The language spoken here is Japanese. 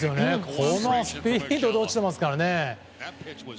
このスピードで落ちてますから。